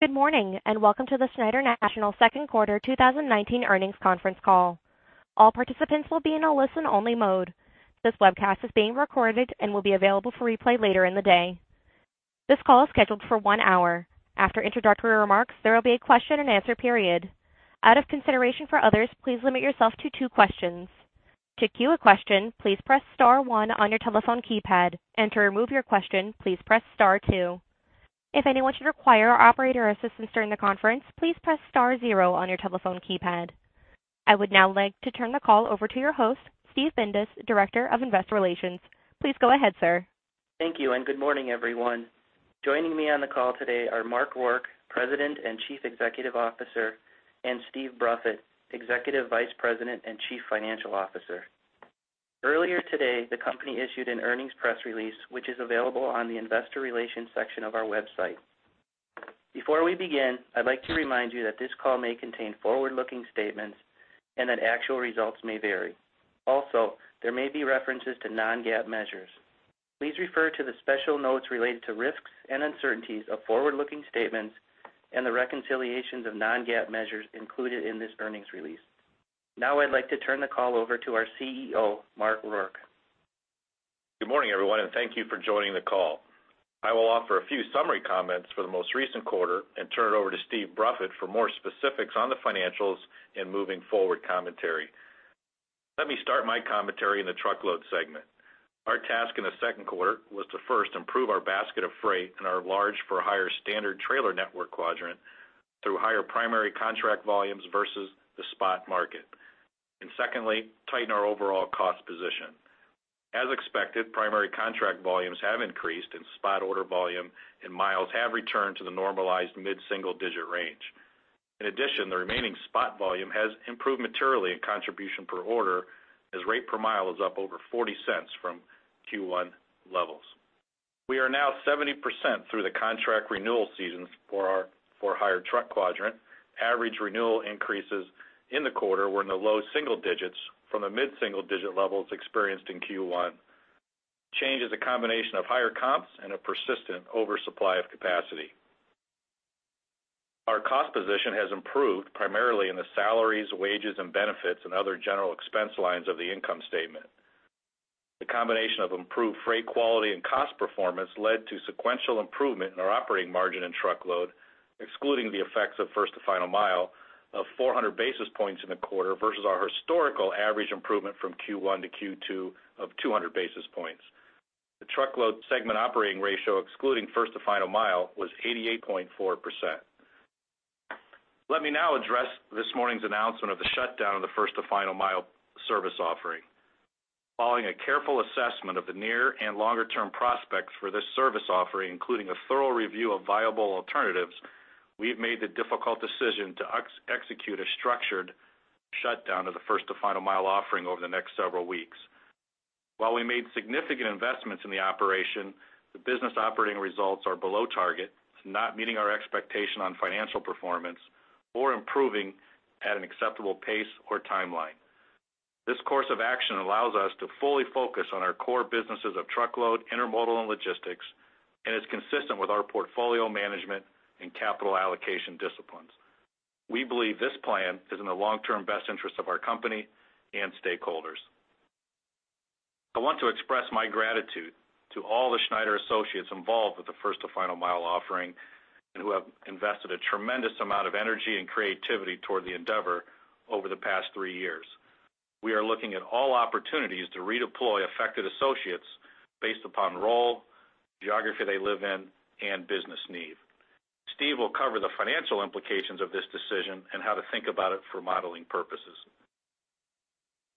Good morning and welcome to the Schneider National Second Quarter 2019 Earnings Conference Call. All participants will be in a listen-only mode. This webcast is being recorded and will be available for replay later in the day. This call is scheduled for one hour. After introductory remarks, there will be a question-and-answer period. Out of consideration for others, please limit yourself to two questions. To cue a question, please press star one on your telephone keypad. To remove your question, please press star two. If anyone should require operator assistance during the conference, please press star zero on your telephone keypad. I would now like to turn the call over to your host, Steve Bindas, Director of Investor Relations. Please go ahead, sir. Thank you and good morning, everyone. Joining me on the call today are Mark Rourke, President and Chief Executive Officer, and Steve Bruffett, Executive Vice President and Chief Financial Officer. Earlier today, the company issued an earnings press release, which is available on the Investor Relations section of our website. Before we begin, I'd like to remind you that this call may contain forward-looking statements and that actual results may vary. Also, there may be references to non-GAAP measures. Please refer to the special notes related to risks and uncertainties of forward-looking statements and the reconciliations of non-GAAP measures included in this earnings release. Now I'd like to turn the call over to our CEO, Mark Rourke. Good morning, everyone, and thank you for joining the call. I will offer a few summary comments for the most recent quarter and turn it over to Steve Bruffett for more specifics on the financials and moving forward commentary. Let me start my commentary in the truckload segment. Our task in the second quarter was to first improve our basket of freight and our large for-hire standard trailer network quadrant through higher primary contract volumes versus the spot market, and secondly, tighten our overall cost position. As expected, primary contract volumes have increased. In spot order volume and miles have returned to the normalized mid-single digit range. In addition, the remaining spot volume has improved materially in contribution per order as rate per mile is up over $0.40 from Q1 levels. We are now 70% through the contract renewal seasons for our for-hire truck quadrant. Average renewal increases in the quarter were in the low single digits from the mid-single digit levels experienced in Q1. Change is a combination of higher comps and a persistent oversupply of capacity. Our cost position has improved primarily in the salaries, wages, and benefits, and other general expense lines of the income statement. The combination of improved freight quality and cost performance led to sequential improvement in our operating margin and truckload, excluding the effects of First to Final Mile, of 400 basis points in the quarter versus our historical average improvement from Q1 to Q2 of 200 basis points. The truckload segment operating ratio, excluding First to Final Mile, was 88.4%. Let me now address this morning's announcement of the shutdown of the First to Final Mile service offering. Following a careful assessment of the near and longer-term prospects for this service offering, including a thorough review of viable alternatives, we've made the difficult decision to execute a structured shutdown of the First to Final Mile offering over the next several weeks. While we made significant investments in the operation, the business operating results are below target, not meeting our expectation on financial performance, or improving at an acceptable pace or timeline. This course of action allows us to fully focus on our core businesses of truckload, intermodal, and logistics, and is consistent with our portfolio management and capital allocation disciplines. We believe this plan is in the long-term best interest of our company and stakeholders. I want to express my gratitude to all the Schneider associates involved with the First to Final Mile offering and who have invested a tremendous amount of energy and creativity toward the endeavor over the past 3 years. We are looking at all opportunities to redeploy affected associates based upon role, geography they live in, and business need. Steve will cover the financial implications of this decision and how to think about it for modeling purposes.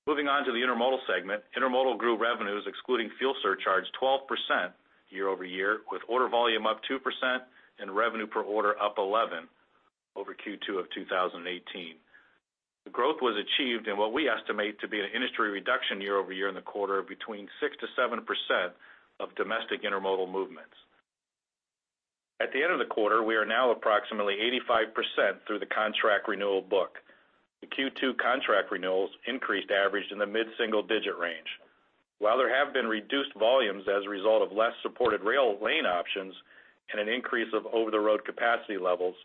Moving on to the intermodal segment, intermodal grew revenues, excluding fuel surcharge, 12% year-over-year, with order volume up 2% and revenue per order up 11% over Q2 of 2018. The growth was achieved in what we estimate to be an industry reduction year-over-year in the quarter of between 6%-7% of domestic intermodal movements. At the end of the quarter, we are now approximately 85% through the contract renewal book. The Q2 contract renewals increased average in the mid-single digit range. While there have been reduced volumes as a result of less supported rail lane options and an increase of over-the-road capacity levels,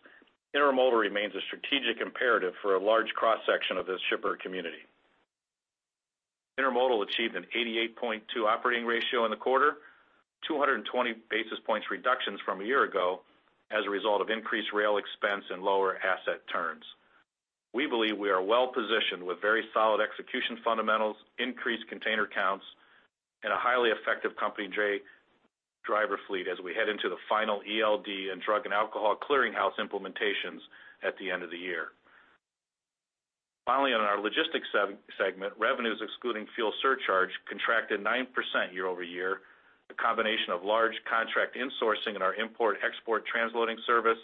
intermodal remains a strategic imperative for a large cross-section of this shipper community. Intermodal achieved an 88.2 operating ratio in the quarter, 220 basis points reductions from a year ago as a result of increased rail expense and lower asset turns. We believe we are well positioned with very solid execution fundamentals, increased container counts, and a highly effective company driver fleet as we head into the final ELD and Drug and Alcohol Clearinghouse implementations at the end of the year. Finally, on our logistics segment, revenues, excluding fuel surcharge, contracted 9% year-over-year, a combination of large contract insourcing in our import-export transloading service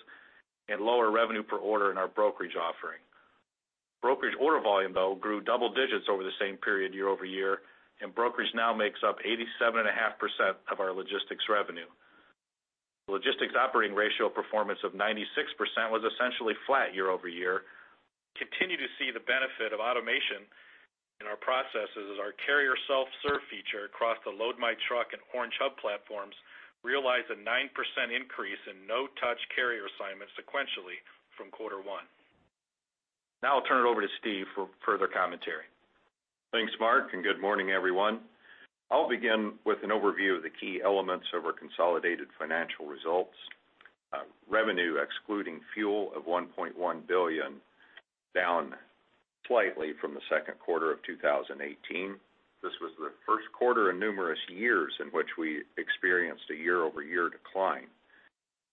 and lower revenue per order in our brokerage offering. Brokerage order volume, though, grew double digits over the same period year-over-year, and brokerage now makes up 87.5% of our logistics revenue. The logistics operating ratio performance of 96% was essentially flat year-over-year. Continue to see the benefit of automation in our processes as our carrier self-serve feature across the Load My Truck and Orange Hub platforms realized a 9% increase in no-touch carrier assignments sequentially from quarter one. Now I'll turn it over to Steve for further commentary. Thanks, Mark, and good morning, everyone. I'll begin with an overview of the key elements of our consolidated financial results. Revenue, excluding fuel, of $1.1 billion down slightly from the second quarter of 2018. This was the first quarter in numerous years in which we experienced a year-over-year decline.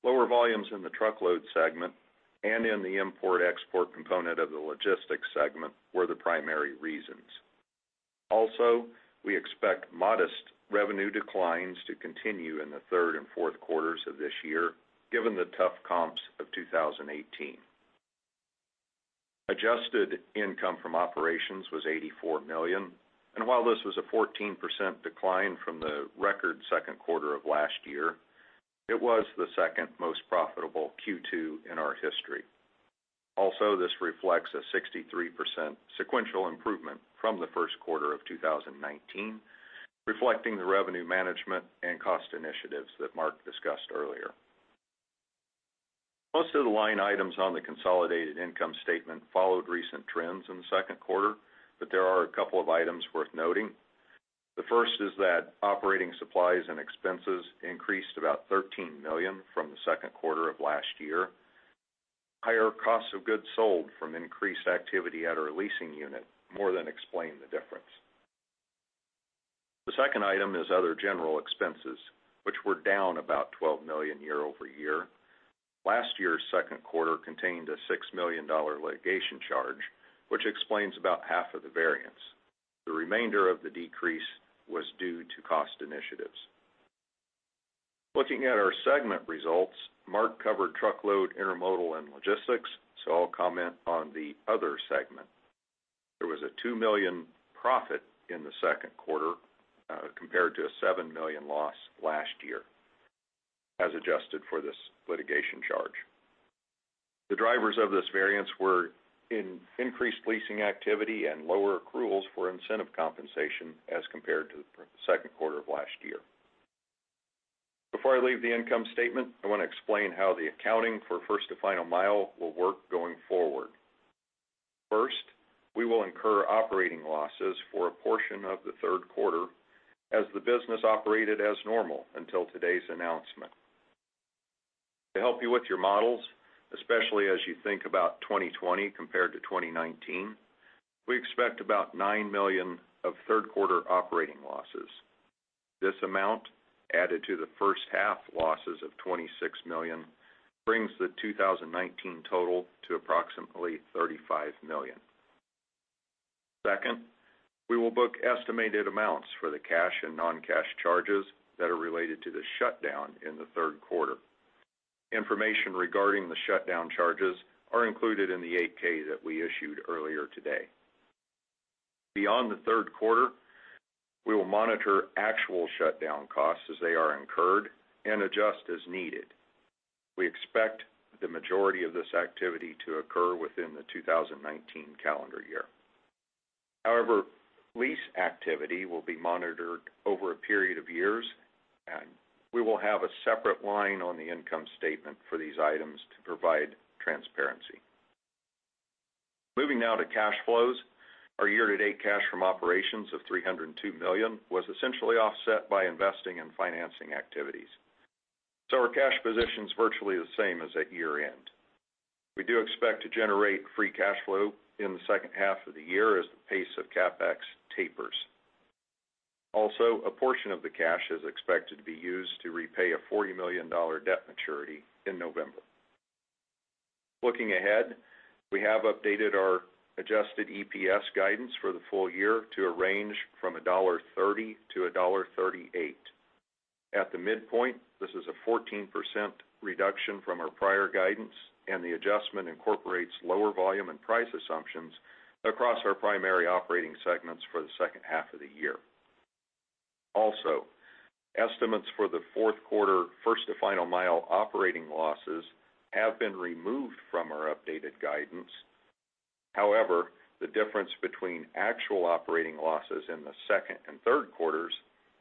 Lower volumes in the truckload segment and in the import-export component of the logistics segment were the primary reasons. Also, we expect modest revenue declines to continue in the third and fourth quarters of this year given the tough comps of 2018. Adjusted income from operations was $84 million, and while this was a 14% decline from the record second quarter of last year, it was the second most profitable Q2 in our history. Also, this reflects a 63% sequential improvement from the first quarter of 2019, reflecting the revenue management and cost initiatives that Mark discussed earlier. Most of the line items on the consolidated income statement followed recent trends in the second quarter, but there are a couple of items worth noting. The first is that operating supplies and expenses increased about $13 million from the second quarter of last year. Higher costs of goods sold from increased activity at our leasing unit more than explain the difference. The second item is other general expenses, which were down about $12 million year over year. Last year's second quarter contained a $6 million litigation charge, which explains about half of the variance. The remainder of the decrease was due to cost initiatives. Looking at our segment results, Mark covered truckload, intermodal, and logistics, so I'll comment on the other segment. There was a $2 million profit in the second quarter compared to a $7 million loss last year as adjusted for this litigation charge. The drivers of this variance were increased leasing activity and lower accruals for incentive compensation as compared to the second quarter of last year. Before I leave the income statement, I want to explain how the accounting for First to Final Mile will work going forward. First, we will incur operating losses for a portion of the third quarter as the business operated as normal until today's announcement. To help you with your models, especially as you think about 2020 compared to 2019, we expect about $9 million of third quarter operating losses. This amount, added to the first half losses of $26 million, brings the 2019 total to approximately $35 million. Second, we will book estimated amounts for the cash and non-cash charges that are related to the shutdown in the third quarter. Information regarding the shutdown charges is included in the 8-K that we issued earlier today. Beyond the third quarter, we will monitor actual shutdown costs as they are incurred and adjust as needed. We expect the majority of this activity to occur within the 2019 calendar year. However, lease activity will be monitored over a period of years, and we will have a separate line on the income statement for these items to provide transparency. Moving now to cash flows, our year-to-date cash from operations of $302 million was essentially offset by investing in financing activities. Our cash position is virtually the same as at year-end. We do expect to generate free cash flow in the second half of the year as the pace of CapEx tapers. Also, a portion of the cash is expected to be used to repay a $40 million debt maturity in November. Looking ahead, we have updated our Adjusted EPS guidance for the full year to a range from $1.30 to $1.38. At the midpoint, this is a 14% reduction from our prior guidance, and the adjustment incorporates lower volume and price assumptions across our primary operating segments for the second half of the year. Also, estimates for the fourth quarter First to Final Mile operating losses have been removed from our updated guidance. However, the difference between actual operating losses in the second and third quarters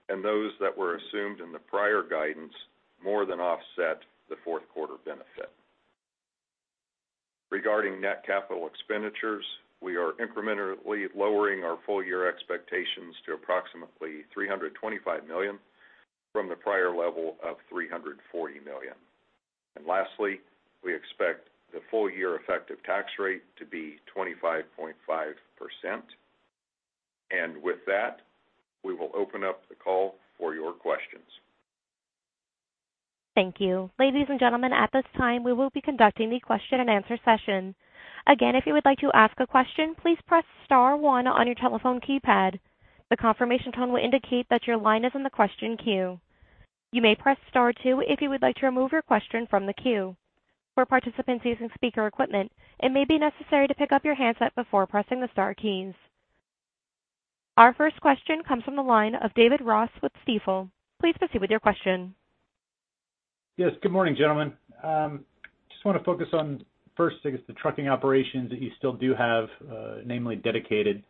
and those that were assumed in the prior guidance more than offset the fourth quarter benefit. Regarding net capital expenditures, we are incrementally lowering our full year expectations to approximately $325 million from the prior level of $340 million. And lastly, we expect the full year effective tax rate to be 25.5%. And with that, we will open up the call for your questions. Thank you. Ladies and gentlemen, at this time, we will be conducting the question and answer session. Again, if you would like to ask a question, please press star one on your telephone keypad. The confirmation tone will indicate that your line is in the question queue. You may press star two if you would like to remove your question from the queue. For participants using speaker equipment, it may be necessary to pick up your handset before pressing the star keys. Our first question comes from the line of David Ross with Stifel. Please proceed with your question. Yes. Good morning, gentlemen. I just want to focus on first, I guess, the trucking operations that you still do have, namely dedicated.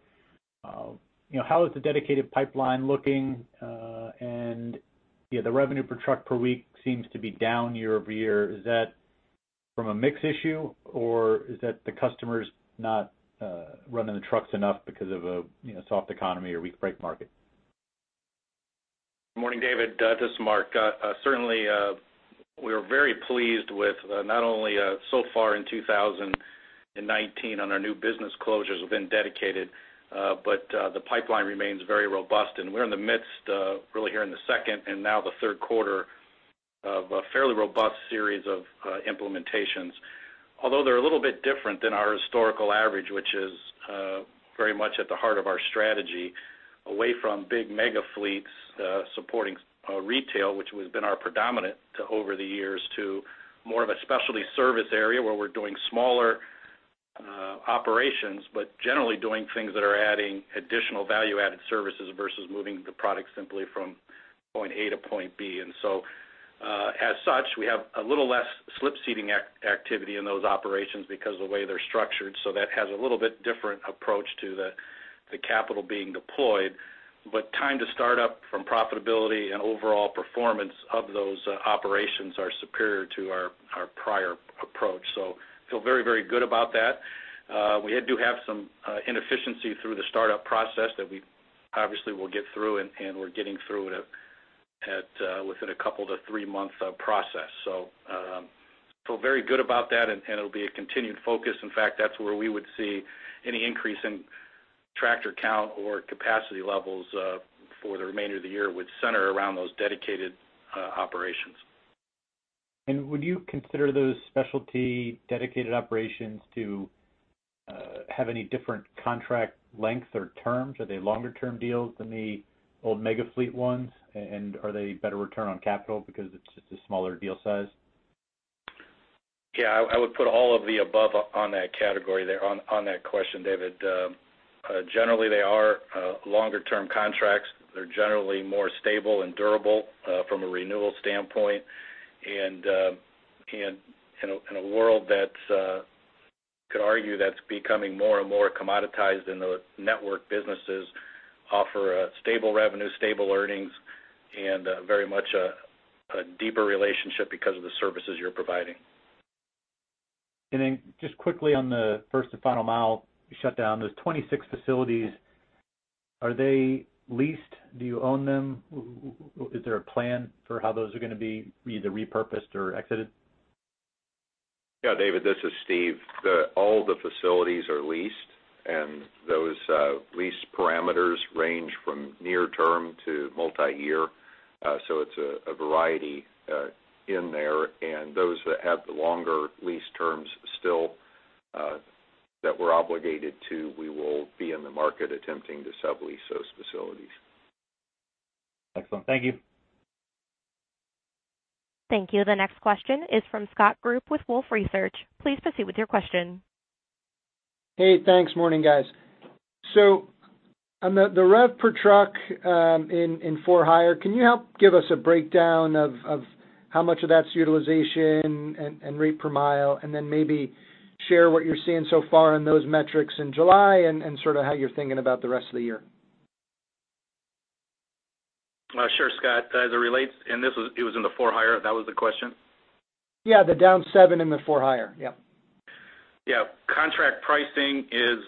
How is the dedicated pipeline looking? The revenue per truck per week seems to be down year-over-year. Is that from a mix issue, or is that the customers not running the trucks enough because of a soft economy or weak freight market? Good morning, David. This is Mark. Certainly, we are very pleased with not only so far in 2019 on our new business closures within Dedicated, but the pipeline remains very robust. We're in the midst, really here in the second and now the third quarter, of a fairly robust series of implementations. Although they're a little bit different than our historical average, which is very much at the heart of our strategy, away from big mega fleets supporting retail, which has been our predominant over the years, to more of a specialty service area where we're doing smaller operations but generally doing things that are adding additional value-added services versus moving the product simply from point A to point B. So as such, we have a little less slip seating activity in those operations because of the way they're structured. So that has a little bit different approach to the capital being deployed. But time to start up from profitability and overall performance of those operations are superior to our prior approach. So I feel very, very good about that. We do have some inefficiency through the startup process that we obviously will get through, and we're getting through it within a 2-3-month process. So I feel very good about that, and it'll be a continued focus. In fact, that's where we would see any increase in tractor count or capacity levels for the remainder of the year would center around those dedicated operations. Would you consider those specialty dedicated operations to have any different contract length or terms? Are they longer-term deals than the old mega fleet ones, and are they better return on capital because it's just a smaller deal size? Yeah. I would put all of the above on that category there on that question, David. Generally, they are longer-term contracts. They're generally more stable and durable from a renewal standpoint. And in a world that could argue that's becoming more and more commoditized and the network businesses offer stable revenue, stable earnings, and very much a deeper relationship because of the services you're providing. And then just quickly on the First to Final Mile shutdown, those 26 facilities, are they leased? Do you own them? Is there a plan for how those are going to be either repurposed or exited? Yeah, David. This is Steve. All the facilities are leased, and those lease parameters range from near-term to multi-year. So it's a variety in there. And those that have the longer lease terms still that we're obligated to, we will be in the market attempting to sublease those facilities. Excellent. Thank you. Thank you. The next question is from Scott Group with Wolfe Research. Please proceed with your question. Hey. Thanks. Morning, guys. So the rev per truck in for-hire, can you help give us a breakdown of how much of that's utilization and rate per mile and then maybe share what you're seeing so far on those metrics in July and sort of how you're thinking about the rest of the year? Sure, Scott. As it relates and it was in the for-hire? That was the question? Yeah. The down 7 in the for-hire. Yep. Yeah. Contract pricing is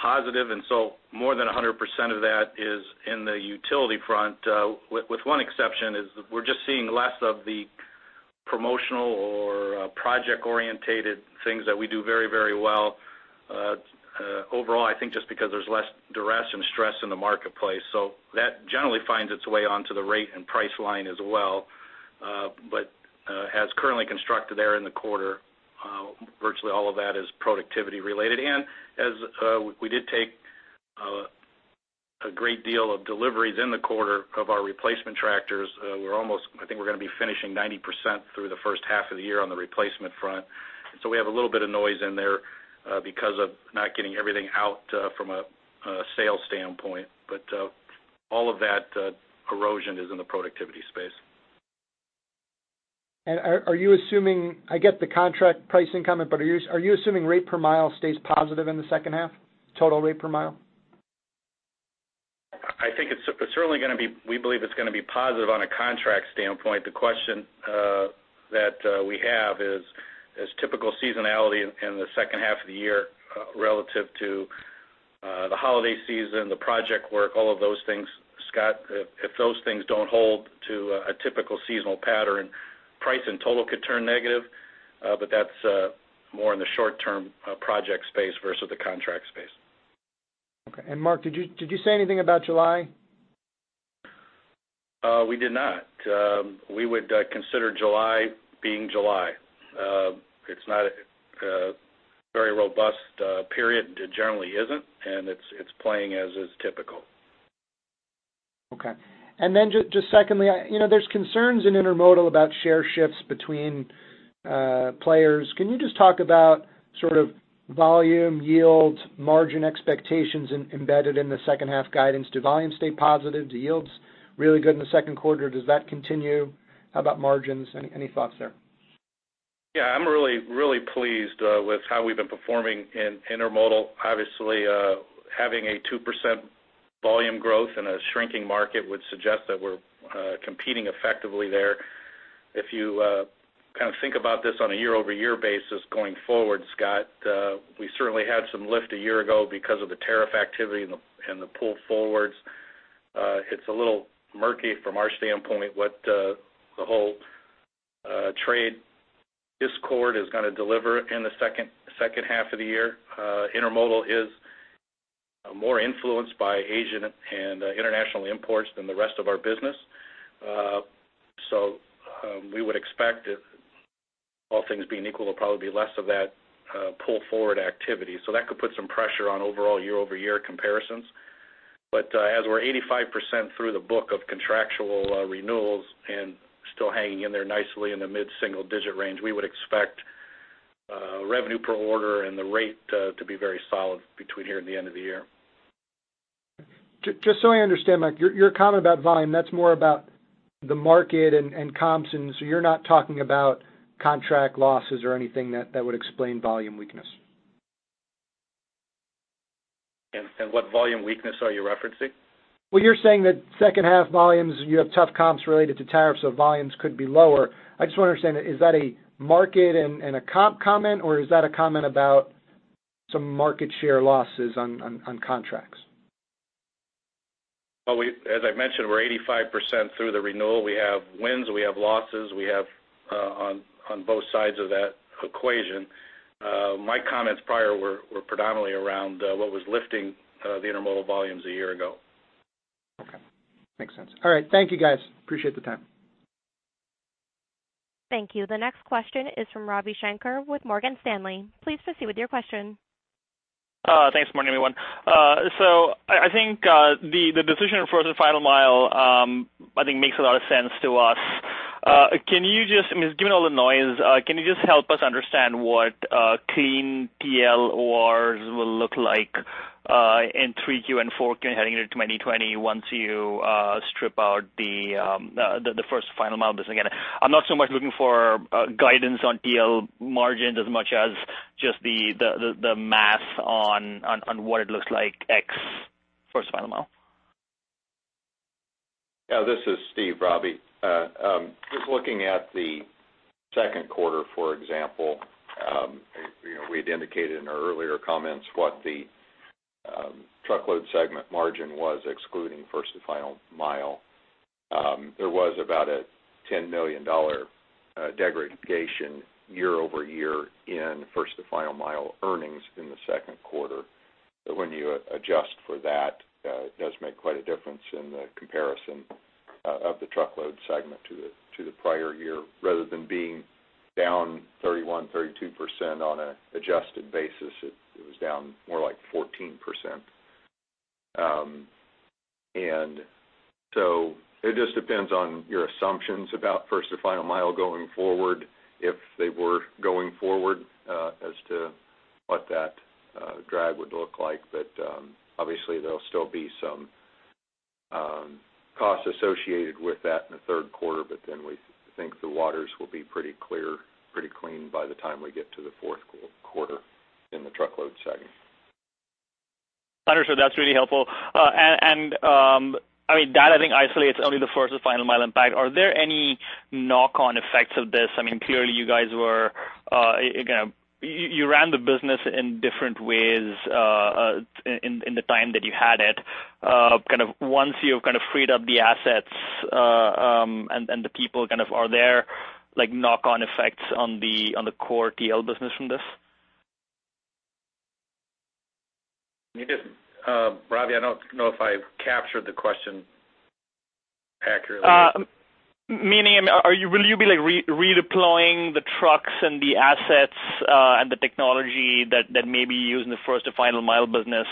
positive, and so more than 100% of that is in the utility front, with one exception is we're just seeing less of the promotional or project-oriented things that we do very, very well. Overall, I think just because there's less duress and stress in the marketplace. So that generally finds its way onto the rate and price line as well. But as currently constructed there in the quarter, virtually all of that is productivity related. And as we did take a great deal of deliveries in the quarter of our replacement tractors, I think we're going to be finishing 90% through the first half of the year on the replacement front. And so we have a little bit of noise in there because of not getting everything out from a sale standpoint. But all of that erosion is in the productivity space. Are you assuming? I get the contract pricing comment, but are you assuming rate per mile stays positive in the second half, total rate per mile? I think it's certainly going to be, we believe it's going to be positive on a contract standpoint. The question that we have is typical seasonality in the second half of the year relative to the holiday season, the project work, all of those things. Scott, if those things don't hold to a typical seasonal pattern, price and total could turn negative. But that's more in the short-term project space versus the contract space. Okay. Mark, did you say anything about July? We did not. We would consider July being July. It's not a very robust period. It generally isn't, and it's playing as is typical. Okay. Then just secondly, there are concerns in intermodal about share shifts between players. Can you just talk about sort of volume, yield, margin expectations embedded in the second half guidance? Did volume stay positive? Did yields really good in the second quarter? Does that continue? How about margins? Any thoughts there? Yeah. I'm really, really pleased with how we've been performing in intermodal. Obviously, having a 2% volume growth in a shrinking market would suggest that we're competing effectively there. If you kind of think about this on a year-over-year basis going forward, Scott, we certainly had some lift a year ago because of the tariff activity and the pull forwards. It's a little murky from our standpoint what the whole trade discord is going to deliver in the second half of the year. Intermodal is more influenced by Asian and international imports than the rest of our business. So we would expect that all things being equal will probably be less of that pull forward activity. So that could put some pressure on overall year-over-year comparisons. As we're 85% through the book of contractual renewals and still hanging in there nicely in the mid-single-digit range, we would expect revenue per order and the rate to be very solid between here and the end of the year. Just so I understand, Mark, your comment about volume, that's more about the market and comps? And so you're not talking about contract losses or anything that would explain volume weakness? What volume weakness are you referencing? Well, you're saying that second half volumes, you have tough comps related to tariffs, so volumes could be lower. I just want to understand, is that a market and a comp comment, or is that a comment about some market share losses on contracts? Well, as I mentioned, we're 85% through the renewal. We have wins. We have losses. We have on both sides of that equation. My comments prior were predominantly around what was lifting the intermodal volumes a year ago. Okay. Makes sense. All right. Thank you, guys. Appreciate the time. Thank you. The next question is from Ravi Shanker with Morgan Stanley. Please proceed with your question. Thanks for morning, everyone. So I think the decision for the final mile, I think, makes a lot of sense to us. Can you just—I mean, given all the noise, can you just help us understand what clean TLORs will look like in 3Q and 4Q and heading into 2020 once you strip out the First to Final Mile business again? I'm not so much looking for guidance on TL margins as much as just the math on what it looks like ex First to Final Mile. Yeah. This is Steve, Robbie. Just looking at the second quarter, for example, we had indicated in our earlier comments what the truckload segment margin was excluding First to Final Mile. There was about a $10 million degradation year-over-year in First to Final Mile earnings in the second quarter. But when you adjust for that, it does make quite a difference in the comparison of the truckload segment to the prior year. Rather than being down 31%-32% on an adjusted basis, it was down more like 14%. And so it just depends on your assumptions about First to Final Mile going forward, if they were going forward, as to what that drag would look like. But obviously, there'll still be some cost associated with that in the third quarter. Then we think the waters will be pretty clear pretty clean by the time we get to the fourth quarter in the truckload segment. Understood. That's really helpful. And I mean, that, I think, isolates only the First to Final Mile impact. Are there any knock-on effects of this? I mean, clearly, you guys ran the business in different ways in the time that you had it. Kind of once you've kind of freed up the assets and the people kind of are there, knock-on effects on the core TL business from this? Robbie, I don't know if I captured the question accurately. Meaning, will you be redeploying the trucks and the assets and the technology that may be used in the First to Final Mile business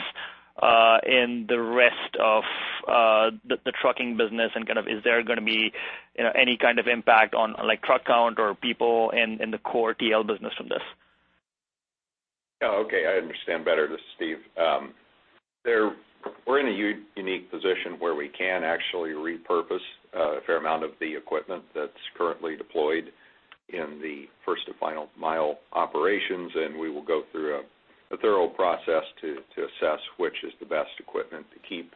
in the rest of the trucking business? And kind of is there going to be any kind of impact on truck count or people in the core TL business from this? Oh, okay. I understand better this, Steve. We're in a unique position where we can actually repurpose a fair amount of the equipment that's currently deployed in the First to Final Mile operations. And we will go through a thorough process to assess which is the best equipment to keep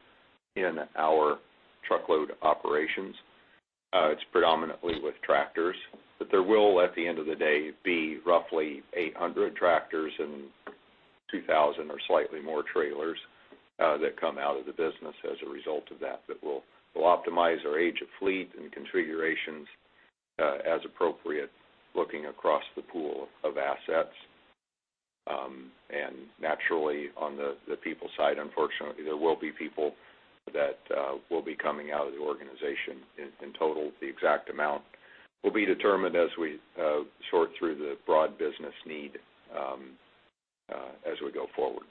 in our truckload operations. It's predominantly with tractors. But there will, at the end of the day, be roughly 800 tractors and 2,000 or slightly more trailers that come out of the business as a result of that that will optimize our age of fleet and configurations as appropriate, looking across the pool of assets. And naturally, on the people side, unfortunately, there will be people that will be coming out of the organization. In total, the exact amount will be determined as we sort through the broad business need as we go forward.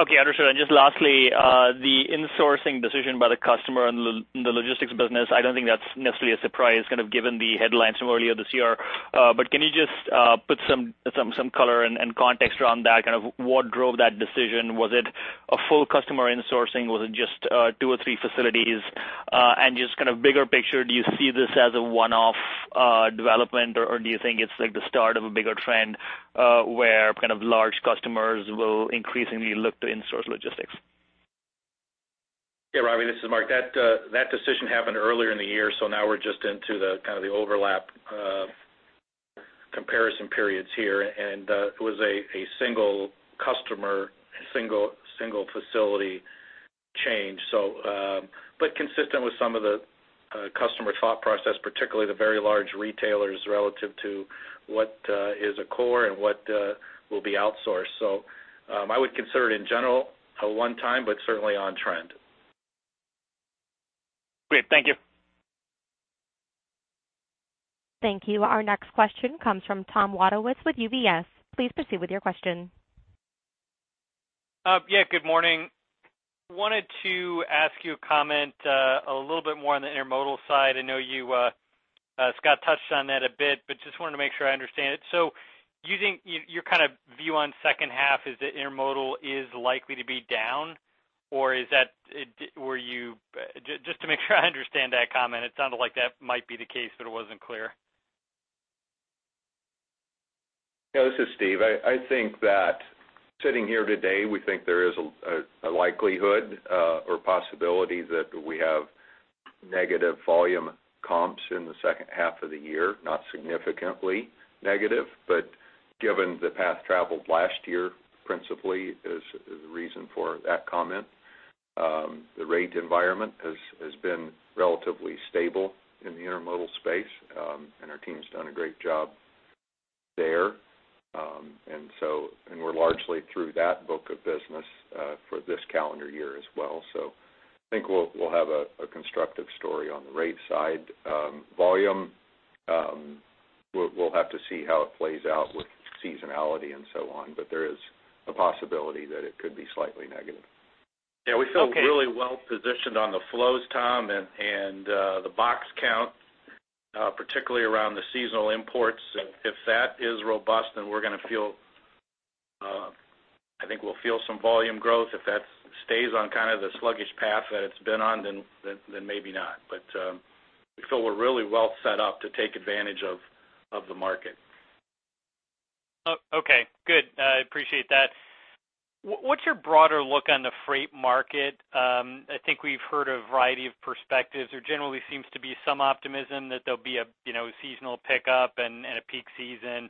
Okay. Understood. And just lastly, the insourcing decision by the customer in the logistics business, I don't think that's necessarily a surprise kind of given the headlines from earlier this year. But can you just put some color and context around that? Kind of what drove that decision? Was it a full customer insourcing? Was it just two or three facilities? And just kind of bigger picture, do you see this as a one-off development, or do you think it's the start of a bigger trend where kind of large customers will increasingly look to insource logistics? Yeah, Robbie. This is Mark. That decision happened earlier in the year, so now we're just into kind of the overlap comparison periods here. It was a single customer, single facility change, but consistent with some of the customer thought process, particularly the very large retailers relative to what is a core and what will be outsourced. I would consider it in general a one-time, but certainly on trend. Great. Thank you. Thank you. Our next question comes from Thomas Wadewitz with UBS. Please proceed with your question. Yeah. Good morning. Wanted to ask you a comment a little bit more on the intermodal side. I know you, Scott, touched on that a bit, but just wanted to make sure I understand it. So your kind of view on second half, is that intermodal is likely to be down, or is that where you just to make sure I understand that comment? It sounded like that might be the case, but it wasn't clear. Yeah. This is Steve. I think that sitting here today, we think there is a likelihood or possibility that we have negative volume comps in the second half of the year, not significantly negative. But given the path traveled last year, principally, is the reason for that comment. The rate environment has been relatively stable in the intermodal space, and our team's done a great job there. And we're largely through that book of business for this calendar year as well. So I think we'll have a constructive story on the rate side. Volume, we'll have to see how it plays out with seasonality and so on. But there is a possibility that it could be slightly negative. Yeah. We feel really well positioned on the flows, Tom, and the box count, particularly around the seasonal imports. If that is robust, then I think we'll feel some volume growth. If that stays on kind of the sluggish path that it's been on, then maybe not. But we feel we're really well set up to take advantage of the market. Okay. Good. I appreciate that. What's your broader look on the freight market? I think we've heard a variety of perspectives. There generally seems to be some optimism that there'll be a seasonal pickup and a peak season.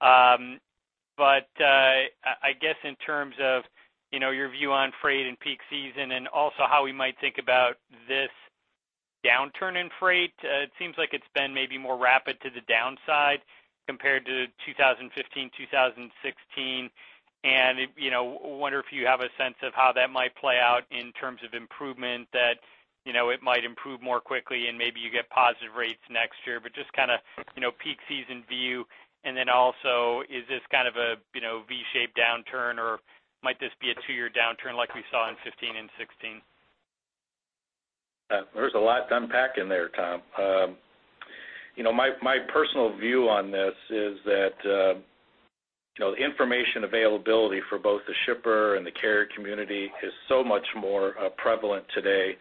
But I guess in terms of your view on freight in peak season and also how we might think about this downturn in freight, it seems like it's been maybe more rapid to the downside compared to 2015, 2016. And I wonder if you have a sense of how that might play out in terms of improvement, that it might improve more quickly, and maybe you get positive rates next year. But just kind of peak season view. And then also, is this kind of a V-shaped downturn, or might this be a two-year downturn like we saw in 2015 and 2016? There's a lot to unpack in there, Tom. My personal view on this is that the information availability for both the shipper and the carrier community is so much more prevalent today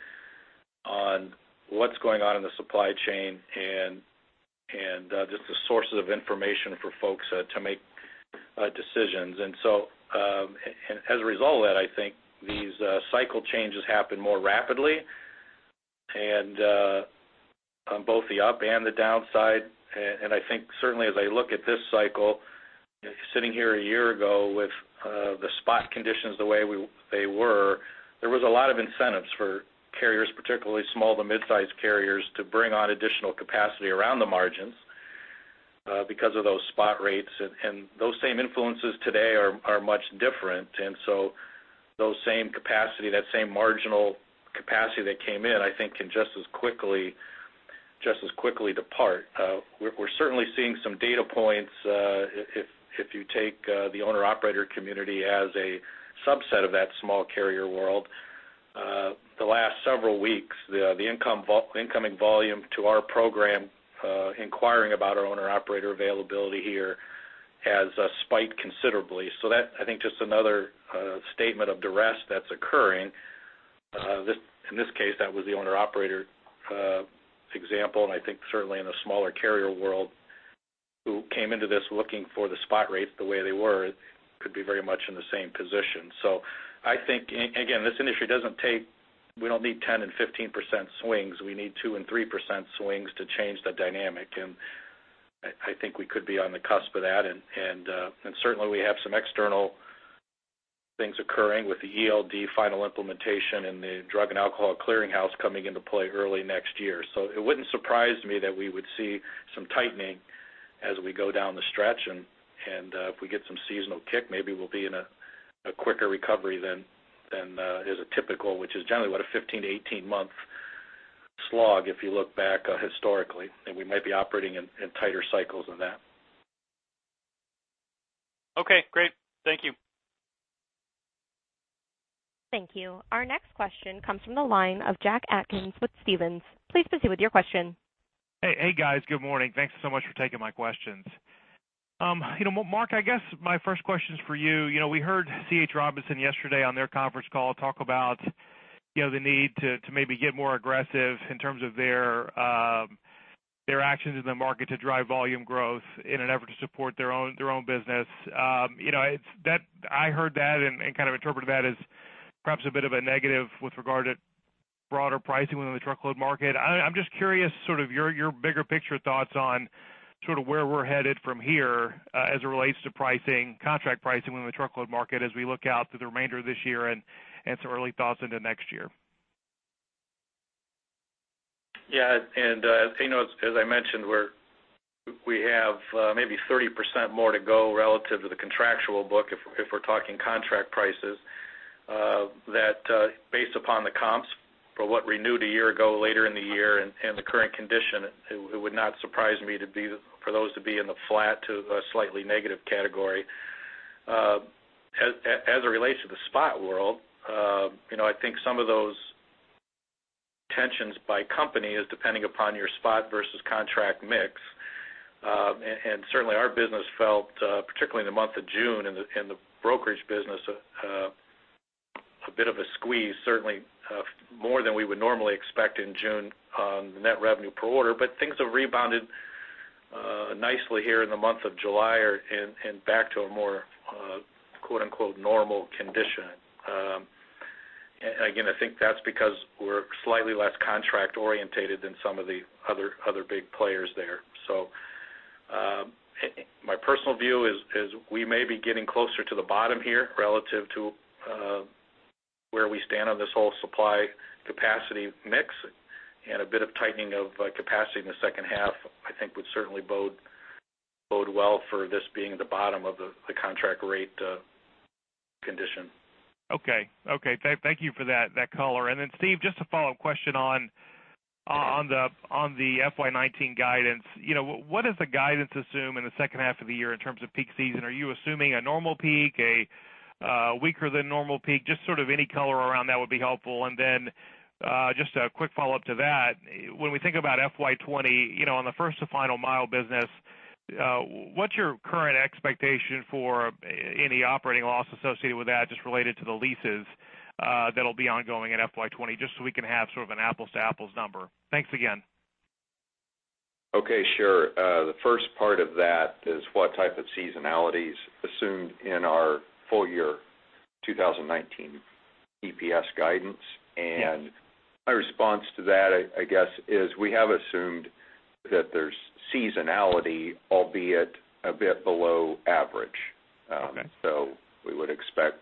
on what's going on in the supply chain and just the sources of information for folks to make decisions. And so as a result of that, I think these cycle changes happen more rapidly on both the up and the downside. And I think certainly, as I look at this cycle, sitting here a year ago with the spot conditions the way they were, there was a lot of incentives for carriers, particularly small to midsize carriers, to bring on additional capacity around the margins because of those spot rates. And those same influences today are much different. And so those same capacity, that same marginal capacity that came in, I think can just as quickly depart. We're certainly seeing some data points. If you take the owner-operator community as a subset of that small carrier world, the last several weeks, the incoming volume to our program inquiring about our owner-operator availability here has spiked considerably. So that, I think, just another statement of duress that's occurring. In this case, that was the owner-operator example. And I think certainly in a smaller carrier world who came into this looking for the spot rates the way they were could be very much in the same position. So I think, again, this industry doesn't take. We don't need 10% and 15% swings. We need 2% and 3% swings to change the dynamic. And I think we could be on the cusp of that. Certainly, we have some external things occurring with the ELD final implementation and the Drug and Alcohol Clearinghouse coming into play early next year. So it wouldn't surprise me that we would see some tightening as we go down the stretch. If we get some seasonal kick, maybe we'll be in a quicker recovery than is typical, which is generally what, a 15-18-month slog if you look back historically. We might be operating in tighter cycles than that. Okay. Great. Thank you. Thank you. Our next question comes from the line of Jack Atkins with Stephens. Please proceed with your question. Hey, guys. Good morning. Thanks so much for taking my questions. Mark, I guess my first question's for you. We heard C.H. Robinson yesterday on their conference call talk about the need to maybe get more aggressive in terms of their actions in the market to drive volume growth in an effort to support their own business. I heard that and kind of interpreted that as perhaps a bit of a negative with regard to broader pricing within the truckload market. I'm just curious sort of your bigger picture thoughts on sort of where we're headed from here as it relates to pricing, contract pricing within the truckload market as we look out through the remainder of this year and some early thoughts into next year? Yeah. And as I mentioned, we have maybe 30% more to go relative to the contractual book if we're talking contract prices. That, based upon the comps for what renewed a year ago, later in the year, and the current condition, it would not surprise me for those to be in the flat to slightly negative category. As it relates to the spot world, I think some of those tensions by company is depending upon your spot versus contract mix. And certainly, our business felt, particularly in the month of June in the brokerage business, a bit of a squeeze, certainly more than we would normally expect in June on the net revenue per order. But things have rebounded nicely here in the month of July and back to a more "normal" condition. Again, I think that's because we're slightly less contract-oriented than some of the other big players there. My personal view is we may be getting closer to the bottom here relative to where we stand on this whole supply capacity mix. A bit of tightening of capacity in the second half, I think, would certainly bode well for this being the bottom of the contract rate condition. Okay. Okay. Thank you for that color. And then, Steve, just a follow-up question on the FY19 guidance. What does the guidance assume in the second half of the year in terms of peak season? Are you assuming a normal peak, a weaker-than-normal peak? Just sort of any color around that would be helpful. And then just a quick follow-up to that. When we think about FY20, on the First to Final Mile business, what's your current expectation for any operating loss associated with that just related to the leases that'll be ongoing in FY20? Just so we can have sort of an apples-to-apples number. Thanks again. Okay. Sure. The first part of that is what type of seasonality is assumed in our full-year 2019 EPS guidance. And my response to that, I guess, is we have assumed that there's seasonality, albeit a bit below average. So we would expect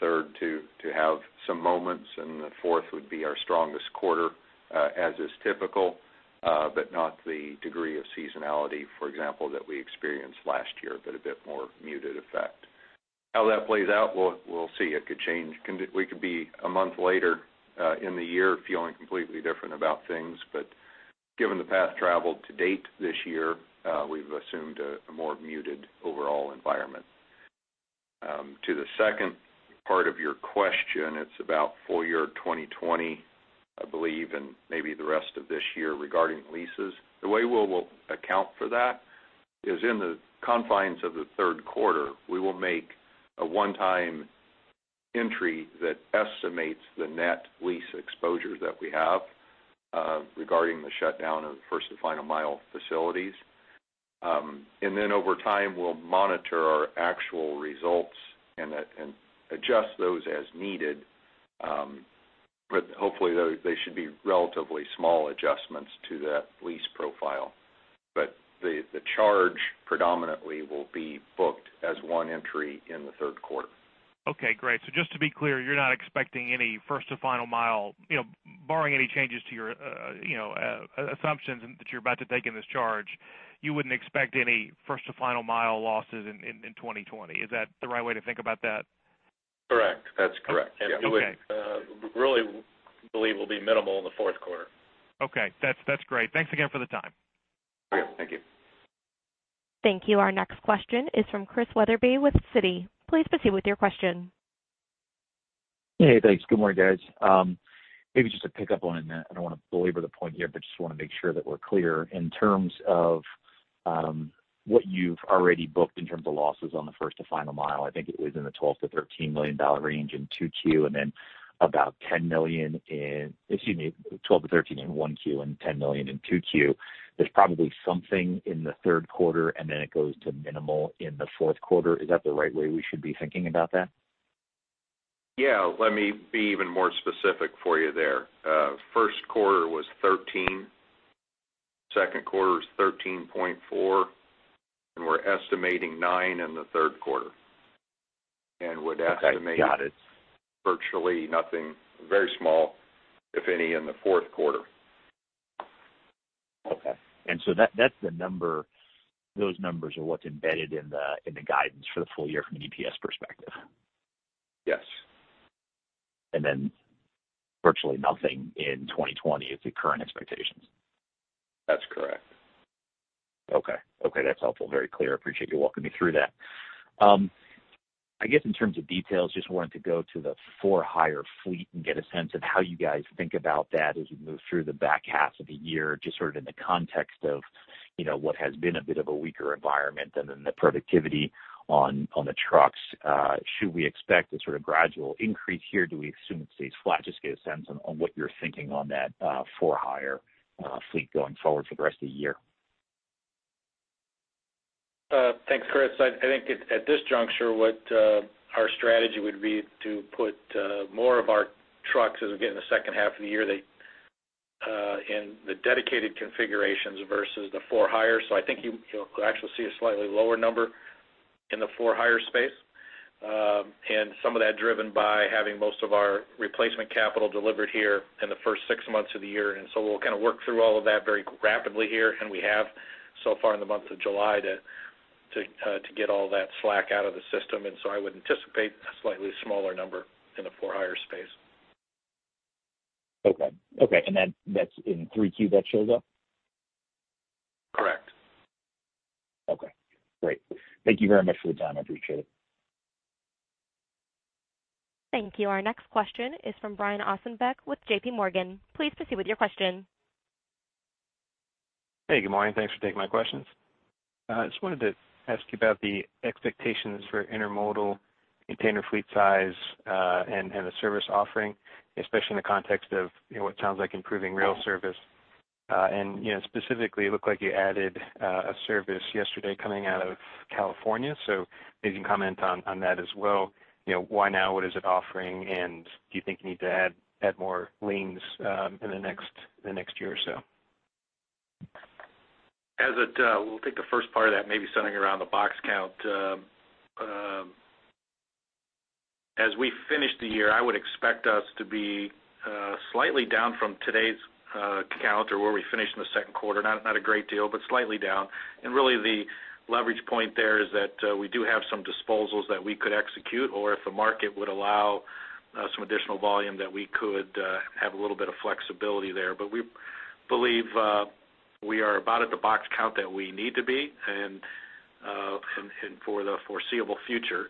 third to have some moments, and the fourth would be our strongest quarter as is typical, but not the degree of seasonality, for example, that we experienced last year, but a bit more muted effect. How that plays out, we'll see. It could change. We could be a month later in the year feeling completely different about things. But given the path traveled to date this year, we've assumed a more muted overall environment. To the second part of your question, it's about full-year 2020, I believe, and maybe the rest of this year regarding leases. The way we'll account for that is in the confines of the third quarter, we will make a one-time entry that estimates the net lease exposures that we have regarding the shutdown of the First to Final Mile facilities. And then over time, we'll monitor our actual results and adjust those as needed. But hopefully, they should be relatively small adjustments to that lease profile. But the charge predominantly will be booked as one entry in the third quarter. Okay. Great. So just to be clear, you're not expecting any First to Final Mile barring any changes to your assumptions that you're about to take in this charge, you wouldn't expect any First to Final Mile losses in 2020. Is that the right way to think about that? Correct. That's correct. Yeah. We really believe will be minimal in the fourth quarter. Okay. That's great. Thanks again for the time. All right. Thank you. Thank you. Our next question is from Chris Wetherbee with Citi. Please proceed with your question. Hey. Thanks. Good morning, guys. Maybe just a pickup on that. I don't want to belabor the point here, but just want to make sure that we're clear. In terms of what you've already booked in terms of losses on the First to Final Mile, I think it was in the $12-$13 million range in 2Q and then about $10 million in, excuse me, $12-$13 million in 1Q and $10 million in 2Q. There's probably something in the third quarter, and then it goes to minimal in the fourth quarter. Is that the right way we should be thinking about that? Yeah. Let me be even more specific for you there. First quarter was 13. Second quarter is 13.4. We're estimating 9 in the third quarter and would estimate virtually nothing, very small, if any, in the fourth quarter. Okay. And so that's the number. Those numbers are what's embedded in the guidance for the full year from an EPS perspective. Yes. And then virtually nothing in 2020 is the current expectations? That's correct. Okay. Okay. That's helpful. Very clear. Appreciate you walking me through that. I guess in terms of details, just wanted to go to the for-hire fleet and get a sense of how you guys think about that as we move through the back half of the year just sort of in the context of what has been a bit of a weaker environment and then the productivity on the trucks. Should we expect a sort of gradual increase here? Do we assume it stays flat? Just get a sense on what you're thinking on that for-hire fleet going forward for the rest of the year? Thanks, Chris. I think at this juncture, what our strategy would be to put more of our trucks as we get in the second half of the year in the dedicated configurations versus the for-hire. So I think you'll actually see a slightly lower number in the for-hire space and some of that driven by having most of our replacement capital delivered here in the first six months of the year. And so we'll kind of work through all of that very rapidly here. And we have so far in the month of July to get all that slack out of the system. And so I would anticipate a slightly smaller number in the for-hire space. Okay. Okay. And that's in 3Q that shows up? Correct. Okay. Great. Thank you very much for the time. I appreciate it. Thank you. Our next question is from Brian Ossenbeck with JPMorgan. Please proceed with your question. Hey. Good morning. Thanks for taking my questions. I just wanted to ask you about the expectations for intermodal container fleet size and the service offering, especially in the context of what sounds like improving rail service. Specifically, it looked like you added a service yesterday coming out of California. So maybe you can comment on that as well. Why now? What is it offering? Do you think you need to add more lanes in the next year or so? We'll take the first part of that, maybe centering around the box count. As we finish the year, I would expect us to be slightly down from today's count or where we finished in the second quarter. Not a great deal, but slightly down. And really, the leverage point there is that we do have some disposals that we could execute or if the market would allow some additional volume that we could have a little bit of flexibility there. But we believe we are about at the box count that we need to be and for the foreseeable future.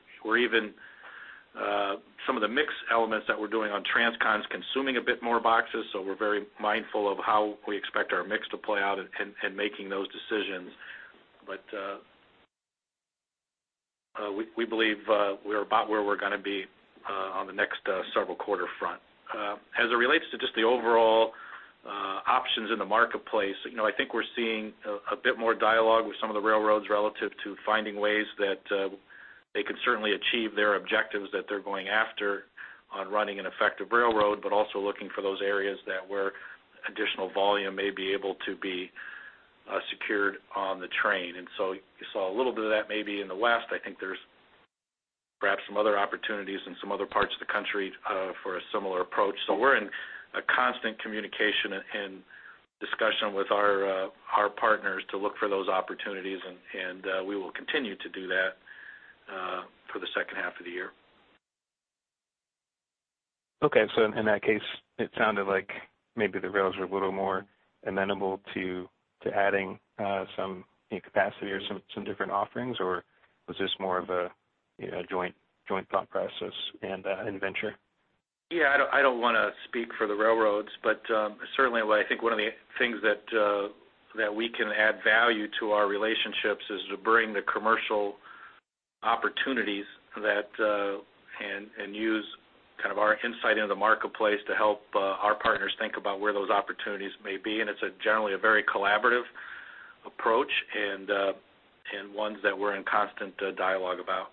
Some of the mixed elements that we're doing on Transcon's consuming a bit more boxes. So we're very mindful of how we expect our mix to play out and making those decisions. But we believe we're about where we're going to be on the next several-quarter front. As it relates to just the overall options in the marketplace, I think we're seeing a bit more dialogue with some of the railroads relative to finding ways that they can certainly achieve their objectives that they're going after on running an effective railroad, but also looking for those areas that where additional volume may be able to be secured on the train. And so you saw a little bit of that maybe in the West. I think there's perhaps some other opportunities in some other parts of the country for a similar approach. So we're in a constant communication and discussion with our partners to look for those opportunities. And we will continue to do that for the second half of the year. Okay. So in that case, it sounded like maybe the rails were a little more amenable to adding some capacity or some different offerings, or was this more of a joint thought process and venture? Yeah. I don't want to speak for the railroads. Certainly, I think one of the things that we can add value to our relationships is to bring the commercial opportunities and use kind of our insight into the marketplace to help our partners think about where those opportunities may be. It's generally a very collaborative approach and ones that we're in constant dialogue about.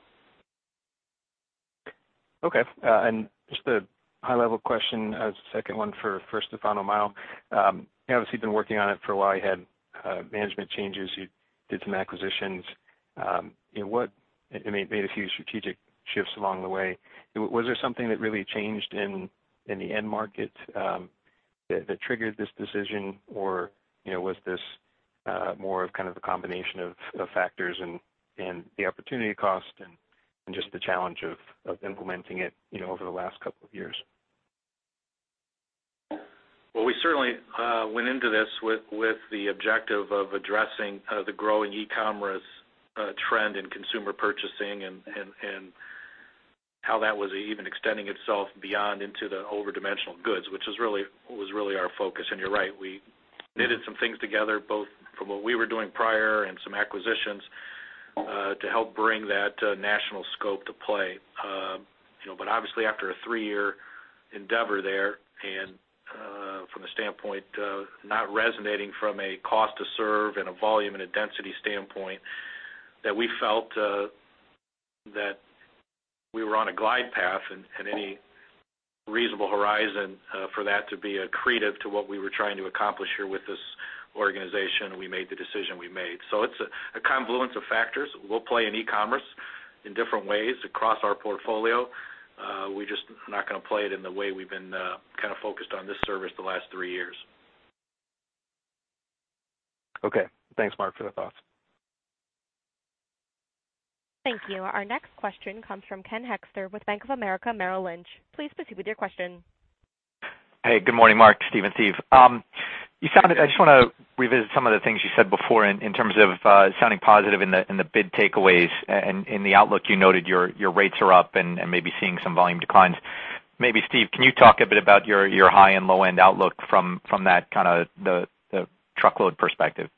Okay. Just a high-level question as a second one for First to Final Mile. Obviously, you've been working on it for a while. You had management changes. You did some acquisitions. It made a few strategic shifts along the way. Was there something that really changed in the end market that triggered this decision, or was this more of kind of a combination of factors and the opportunity cost and just the challenge of implementing it over the last couple of years? Well, we certainly went into this with the objective of addressing the growing e-commerce trend in consumer purchasing and how that was even extending itself beyond into the overdimensional goods, which was really our focus. And you're right. We knitted some things together, both from what we were doing prior and some acquisitions to help bring that national scope to play. But obviously, after a three-year endeavor there and from the standpoint not resonating from a cost to serve and a volume and a density standpoint, that we felt that we were on a glide path and any reasonable horizon for that to be accretive to what we were trying to accomplish here with this organization, we made the decision we made. So it's a confluence of factors. We'll play in e-commerce in different ways across our portfolio. We're just not going to play it in the way we've been kind of focused on this service the last three years. Okay. Thanks, Mark, for the thoughts. Thank you. Our next question comes from Ken Hoexter with Bank of America Merrill Lynch. Please proceed with your question. Hey. Good morning, Mark, Steve, and team. I just want to revisit some of the things you said before in terms of sounding positive in the big takeaways. In the outlook, you noted your rates are up and maybe seeing some volume declines. Maybe, Steve, can you talk a bit about your high and low-end outlook from that kind of truckload perspective?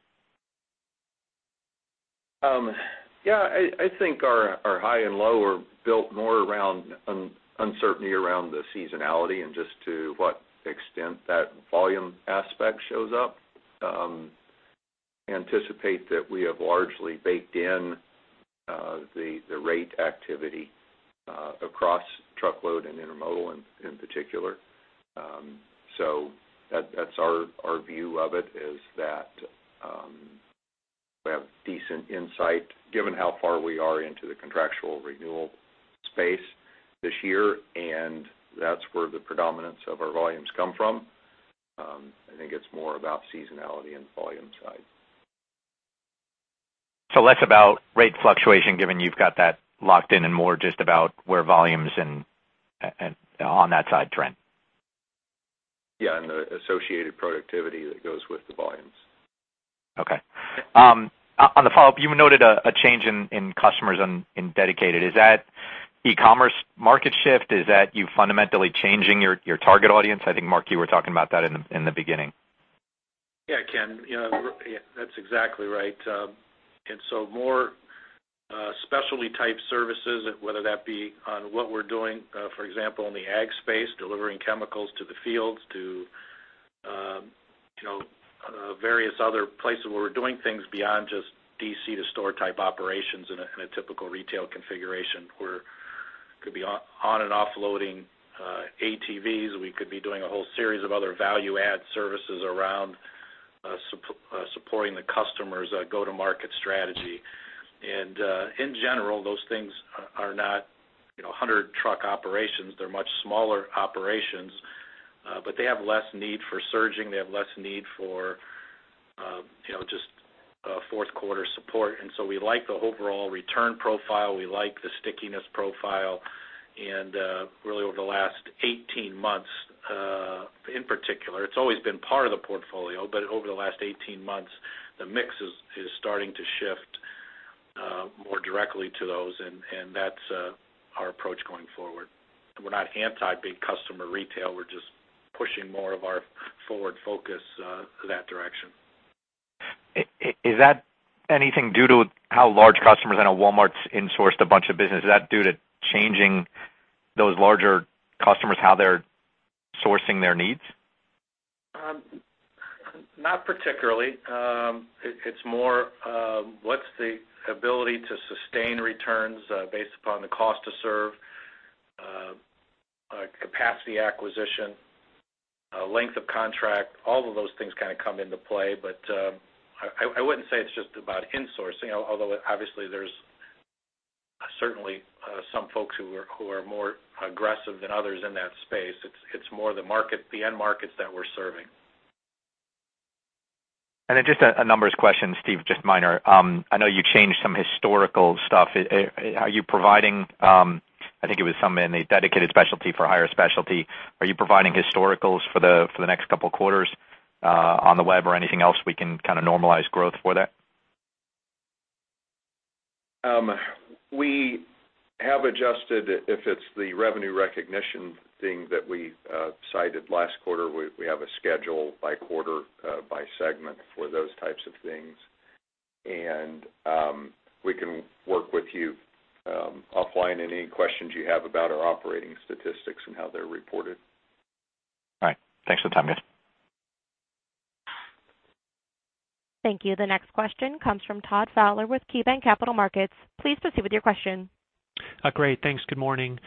Yeah. I think our high and low are built more around uncertainty around the seasonality and just to what extent that volume aspect shows up. I anticipate that we have largely baked in the rate activity across truckload and intermodal in particular. So that's our view of it is that we have decent insight given how far we are into the contractual renewal space this year, and that's where the predominance of our volumes come from. I think it's more about seasonality and volume side. So less about rate fluctuation given you've got that locked in and more just about where volumes on that side trend? Yeah. And the associated productivity that goes with the volumes. Okay. On the follow-up, you noted a change in customers in Dedicated. Is that e-commerce market shift? Is that you fundamentally changing your target audience? I think, Mark, you were talking about that in the beginning. Yeah, Ken. Yeah. That's exactly right. And so more specialty-type services, whether that be on what we're doing, for example, in the ag space, delivering chemicals to the fields, to various other places where we're doing things beyond just DC-to-store type operations in a typical retail configuration. We could be on and offloading ATVs. We could be doing a whole series of other value-add services around supporting the customer's go-to-market strategy. And in general, those things are not 100 truck operations. They're much smaller operations, but they have less need for surging. They have less need for just fourth-quarter support. And so we like the overall return profile. We like the stickiness profile. And really, over the last 18 months in particular, it's always been part of the portfolio, but over the last 18 months, the mix is starting to shift more directly to those. That's our approach going forward. We're not anti-big customer retail. We're just pushing more of our forward focus that direction. Is that anything due to how large customers I know Walmart's insourced a bunch of business? Is that due to changing those larger customers, how they're sourcing their needs? Not particularly. It's more what's the ability to sustain returns based upon the cost to serve, capacity acquisition, length of contract. All of those things kind of come into play. But I wouldn't say it's just about insourcing, although obviously, there's certainly some folks who are more aggressive than others in that space. It's more the end markets that we're serving. Just a number of questions, Steve, just minor. I know you changed some historical stuff. Are you providing, I think it was some in the Dedicated Specialty For-Hire Specialty. Are you providing historicals for the next couple of quarters on the web or anything else we can kind of normalize growth for that? We have adjusted if it's the revenue recognition thing that we cited last quarter. We have a schedule by quarter, by segment for those types of things. We can work with you offline on any questions you have about our operating statistics and how they're reported. All right. Thanks for the time, guys. Thank you. The next question comes from Todd Fowler with KeyBanc Capital Markets. Please proceed with your question. Great. Thanks. Good morning.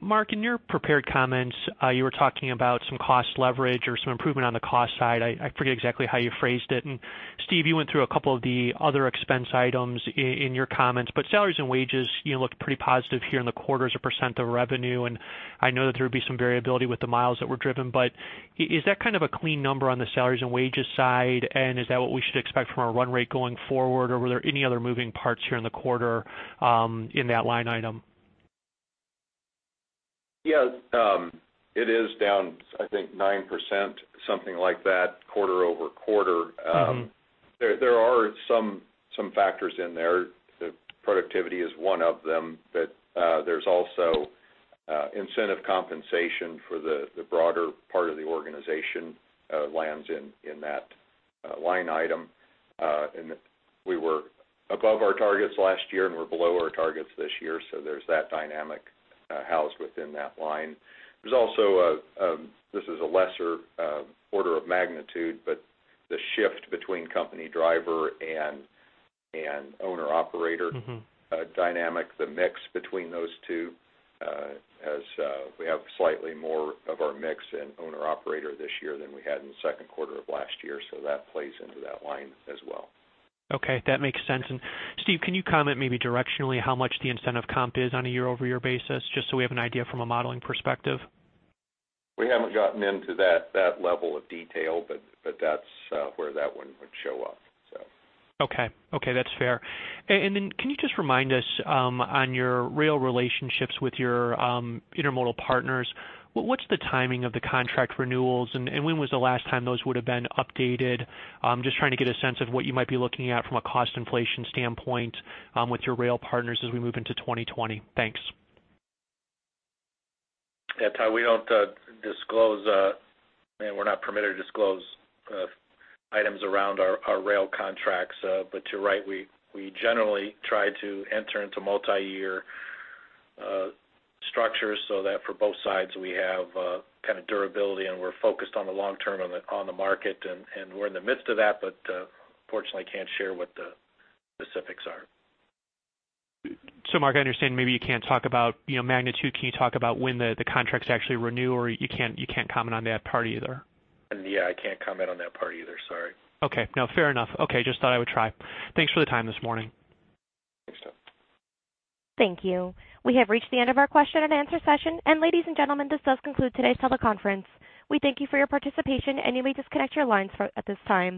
Mark, in your prepared comments, you were talking about some cost leverage or some improvement on the cost side. I forget exactly how you phrased it. And Steve, you went through a couple of the other expense items in your comments, but salaries and wages looked pretty positive here in the quarters or percent of revenue. And I know that there would be some variability with the miles that were driven, but is that kind of a clean number on the salaries and wages side? And is that what we should expect from our run rate going forward? Or were there any other moving parts here in the quarter in that line item? Yeah. It is down, I think, 9%, something like that quarter-over-quarter. There are some factors in there. Productivity is one of them, but there's also incentive compensation for the broader part of the organization lands in that line item. And we were above our targets last year, and we're below our targets this year. So there's that dynamic housed within that line. There's also – this is a lesser order of magnitude, but the shift between company driver and owner-operator dynamic, the mix between those two, as we have slightly more of our mix in owner-operator this year than we had in the second quarter of last year. So that plays into that line as well. Okay. That makes sense. Steve, can you comment maybe directionally how much the incentive comp is on a year-over-year basis just so we have an idea from a modeling perspective? We haven't gotten into that level of detail, but that's where that one would show up, so. Okay. Okay. That's fair. And then can you just remind us on your rail relationships with your intermodal partners, what's the timing of the contract renewals, and when was the last time those would have been updated? Just trying to get a sense of what you might be looking at from a cost inflation standpoint with your rail partners as we move into 2020. Thanks. Yeah, Todd, we don't disclose and we're not permitted to disclose items around our rail contracts. But you're right. We generally try to enter into multi-year structures so that for both sides, we have kind of durability, and we're focused on the long term on the market. And we're in the midst of that, but fortunately, can't share what the specifics are. So, Mark, I understand maybe you can't talk about magnitude. Can you talk about when the contracts actually renew, or you can't comment on that part either? Yeah. I can't comment on that part either. Sorry. Okay. No. Fair enough. Okay. Just thought I would try. Thanks for the time this morning. Thanks, Todd. Thank you. We have reached the end of our question-and-answer session. Ladies and gentlemen, this does conclude today's teleconference. We thank you for your participation, and you may disconnect your lines at this time.